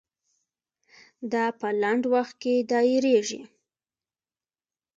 دا په لنډ وخت کې دایریږي.